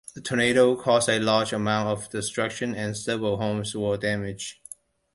The tornado caused a large amount of destruction, and several homes were damaged.